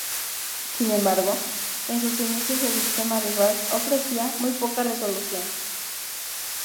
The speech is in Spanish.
Sin embargo, en sus inicios el sistema de Baird ofrecía muy poca resolución.